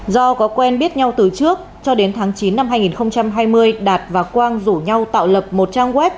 do có quen biết nhau từ trước cho đến tháng chín năm hai nghìn hai mươi đạt và quang rủ nhau tạo lập một trang web